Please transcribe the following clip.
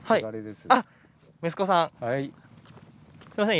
すみません